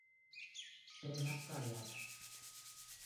Serra Caiada